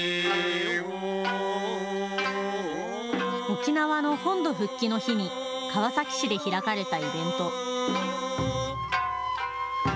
沖縄の本土復帰の日に川崎市で開かれたイベント。